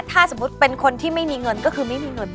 ถ้าสมมุติเป็นคนที่ไม่มีเงินก็คือไม่มีเงิน